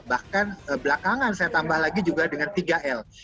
bahkan belakangan saya tambah lagi juga dengan tiga l